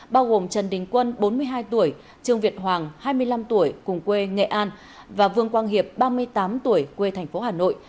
bao gồm trần đình quân bốn mươi hai tuổi trương việt hoàng hai mươi năm tuổi cùng quê nghệ an và vương quang hiệp ba mươi tám tuổi quê thành phố hà nội